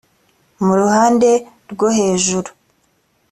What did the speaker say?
mu ruhande rwo hejuru